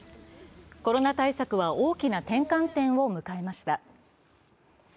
コロナ対策は大きな転換点を迎えました。